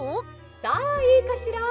「さあいいかしら？